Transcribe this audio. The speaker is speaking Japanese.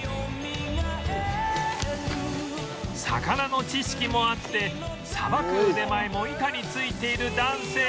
魚の知識もあってさばく腕前も板についている男性